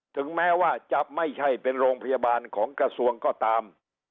ถึงแม้ว่าจะไม่ใช่เป็นโรงพยาบาลของกระทรวงก็ตาม